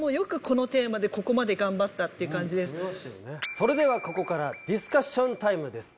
それではここからディスカッションタイムです。